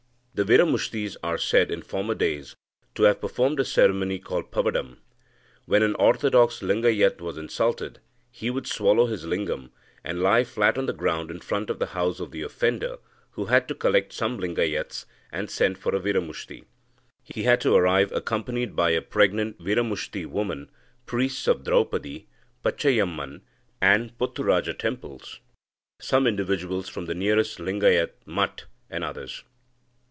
The Viramushtis are said, in former days, to have performed a ceremony called pavadam. When an orthodox Lingayat was insulted, he would swallow his lingam, and lie flat on the ground in front of the house of the offender, who had to collect some Lingayats, and send for a Viramushti. He had to arrive accompanied by a pregnant Viramushti woman, priests of Draupadi, Pachaiamman, and Pothuraja temples, some individuals from the nearest Lingayat mutt, and others.